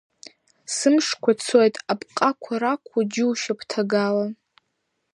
Сымшқәа цоит, апҟақәа ракәу џьушьап ҭагалан.